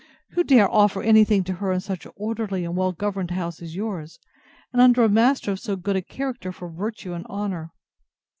Who dare offer any thing to her in such an orderly and well governed house as yours, and under a master of so good a character for virtue and honour?